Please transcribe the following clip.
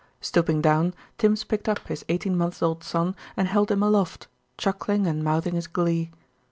Stooping down, Tims picked up his eighteen months old son and held him aloft, chuckling and mouthing his glee.